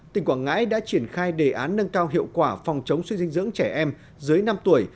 tỉnh quảng ngãi đã triển khai đề án nâng cao hiệu quả phòng chống suy dinh dưỡng trẻ em dưới năm tuổi